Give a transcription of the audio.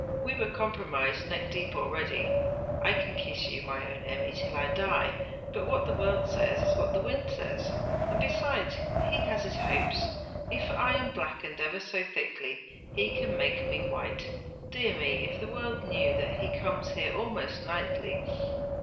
We were compromised neck deep already. I can kiss you, my own Emmy, till I die; 'but what the world says, is what the wind says. Besides he has his hopes.... If I am blackened ever so thickly, he can make me white. Dear me! if the world knew that he comes here almost nightly!